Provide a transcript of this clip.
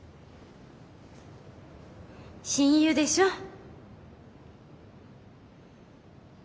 親友でしょ？